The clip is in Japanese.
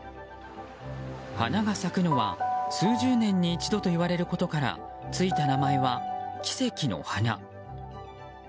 花が咲くのは数十年に一度といわれることからついた名前は奇跡の花。